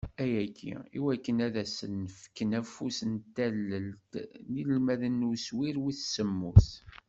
Ayagi, i wakken ad asen-fken afus n tallelt i yinelmaden n uswir wis semmus.